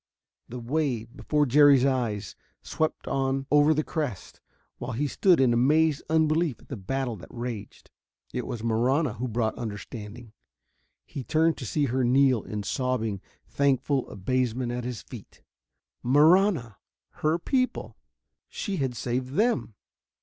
The wave, before Jerry's eyes, swept on over the crest, while he still stood in amazed unbelief at the battle that raged. It was Marahna who brought understanding. He turned to see her kneel in sobbing, thankful abasement at his feet. Marahna! Her people! She had saved them!